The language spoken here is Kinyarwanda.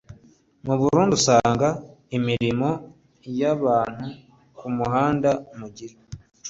mu Burundi usanga imirambo y’abantu ku muhanda mu gicuku